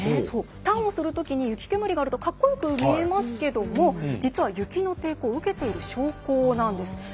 ターンをするときに雪煙があるとかっこよく見えますけども実は、雪の抵抗を受けている証拠なんです。